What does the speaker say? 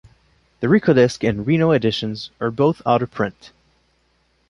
The Rykodisc and Rhino editions are both out of print.